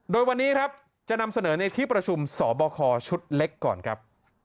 โดยวันนี้ครับจะนำเสนอในที่ประชุมสบคชุดเล็กก่อนครับ